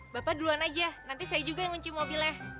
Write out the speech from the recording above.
bapak duluan aja nanti saya juga yang ngunci mobilnya